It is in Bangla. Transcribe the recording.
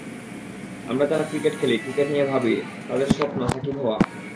আমরা যারা ক্রিকেট খেলি, ক্রিকেট নিয়ে ভাবি, তাদের সবার স্বপ্ন সাকিব হওয়া।